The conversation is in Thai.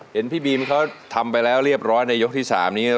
เห็นพี่บีมเขาทำไปแล้วเรียบร้อยในยกที่๓นี้